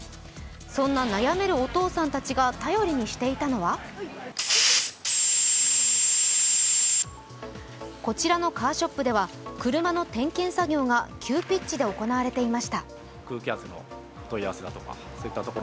そんな悩めるお父さんたちが頼りにしていたのはこちらのカーショップでは車の点検作業が急ピッチで行われていました。